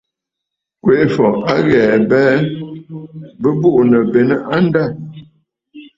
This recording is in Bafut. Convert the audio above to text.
Kwèʼefɔ̀ à ghɛ̀ɛ a abɛɛ bɨ̀bùʼù benə̀ a ndâ.